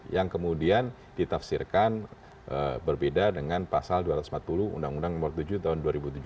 yang kemudian ditafsirkan berbeda dengan pasal dua ratus empat puluh undang undang nomor tujuh tahun dua ribu tujuh belas